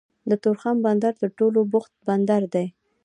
د تورخم بندر تر ټولو بوخت بندر دی